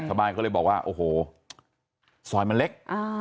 ชาวบ้านก็เลยบอกว่าโอ้โหซอยมันเล็ก